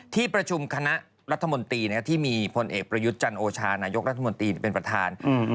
ที่ประชุมคณะรัฐมนตรีที่มีพลเอกประยุทธ์จันโอชานายกรัฐมนตรีเป็นประธาน